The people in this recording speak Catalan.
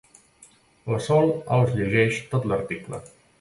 La Sol els llegeix tot l'article.